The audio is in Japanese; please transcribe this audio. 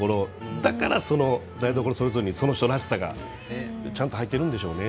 だから台所それぞれその人らしさがちゃんと入っているんでしょうね。